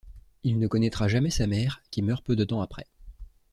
Il ne connaîtra jamais sa mère, qui meurt peu de temps après.